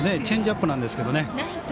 チェンジアップなんですけどね。